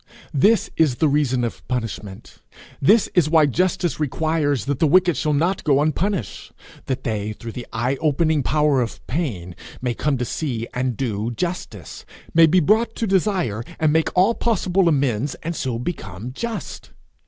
This is the reason of punishment; this is why justice requires that the wicked shall not go unpunished that they, through the eye opening power of pain, may come to see and do justice, may be brought to desire and make all possible amends, and so become just.